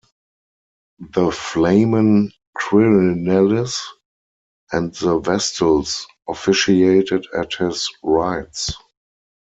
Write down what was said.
The "Flamen Quirinalis" and the Vestals officiated at his rites.